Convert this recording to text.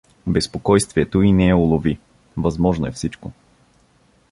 Безпокойствието и нея улови: възможно е всичко.